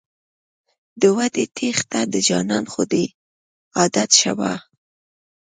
د وعدې تېښته د جانان خو دی عادت شهابه.